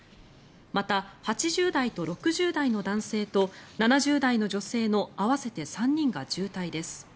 また、８０代と６０代の男性と７０代の女性の合わせて３人が重体です。